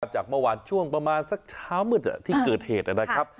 จากเมื่อวานช่วงประมาณสักเช้ามืดที่เกิดเหตุนะครับ